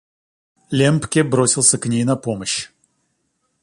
Лембке бросился к ней на помощь.